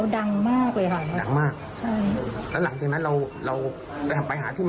อ๋อได้ยินใช่ไหม